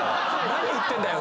何言ってるんだよ